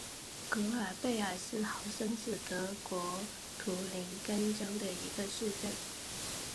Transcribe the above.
格尔贝尔斯豪森是德国图林根州的一个市镇。